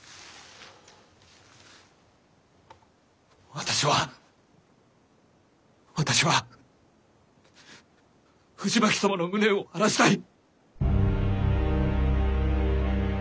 私は私は藤巻様の無念を晴らしたい。